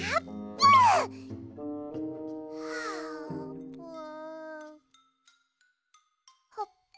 あーぷん！